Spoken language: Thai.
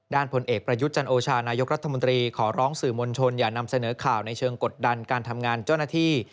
ผลเอกประยุทธ์จันโอชานายกรัฐมนตรีขอร้องสื่อมวลชนอย่านำเสนอข่าวในเชิงกดดันการทำงานเจ้าหน้าที่